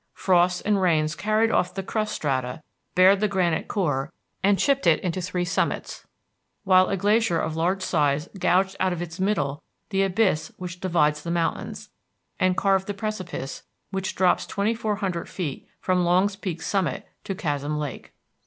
Frosts and rains carried off the crust strata, bared the granite core, and chipped it into three summits, while a glacier of large size gouged out of its middle the abyss which divides the mountains, and carved the precipice, which drops twenty four hundred feet from Longs Peak summit to Chasm Lake.